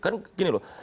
kan gini loh